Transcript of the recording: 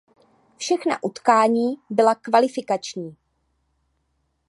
Všechna utkání byla kvalifikační.